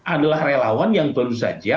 adalah relawan yang tentu saja